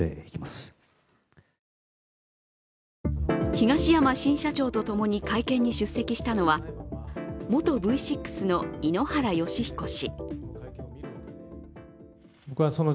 東山新社長とともに会見に出席したのは、元Ｖ６の井ノ原快彦氏。